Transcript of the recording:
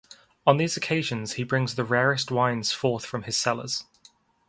On these occasions he brings the rarest wines forth from his cellars.